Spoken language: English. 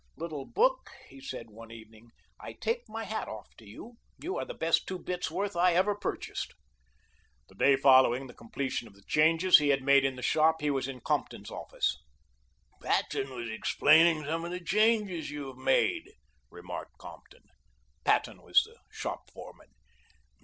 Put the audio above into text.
"Little book," he said one evening, "I take my hat off to you. You are the best two bits' worth I ever purchased." The day following the completion of the changes he had made in the shop he was in Compton's office. "Patton was explaining some of the changes you have made," remarked Compton. Patton was the shop foreman.